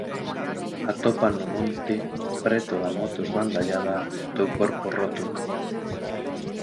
Atopan no monte, preto da moto esbandallada, o teu corpo roto.